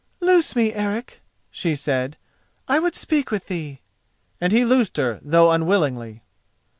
"Loose me, Eric," she said; "I would speak with thee," and he loosed her, though unwillingly.